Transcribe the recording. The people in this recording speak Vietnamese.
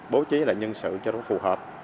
bố trí lại nhân sự cho nó phù hợp